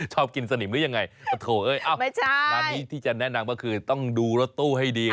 ชอบกินสนิมหรือยังไงโถ่เอ้ยอ้าวไม่ใช่ร้านนี้ที่จะแนะนำว่าคือต้องดูรถตู้ให้ดี